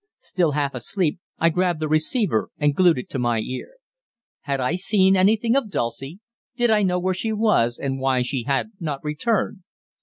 Still half asleep, I grabbed the receiver and glued it to my ear. "Had I seen anything of Dulcie? Did I know where she was and why she had not returned?"